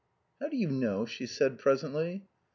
"How do you know?" she said, presently.